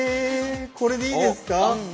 これでいいですか？